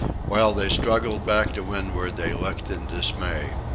While they struggled back to windward they looked in dismay.